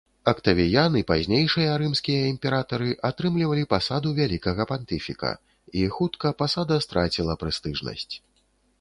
Актавіян і пазнейшыя рымскія імператары атрымлівалі пасаду вялікага пантыфіка, і хутка пасада страціла прэстыжнасць.